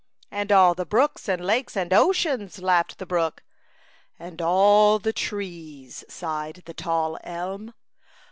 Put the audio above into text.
"And all the brooks and lakes and ocean,'* laughed the brook. "And all the trees,'* sighed the tall elm.